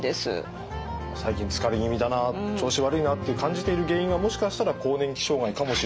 最近疲れ気味だな調子悪いなって感じている原因はもしかしたら更年期障害かもしれない。